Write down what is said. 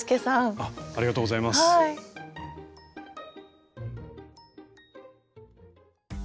ありがとうございます。